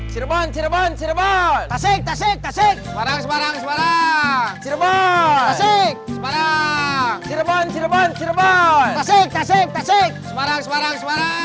semarang semarang semarang